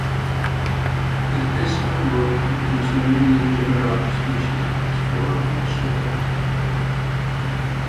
His best-known work, introducing many new genera and species is Fauna Austriaca.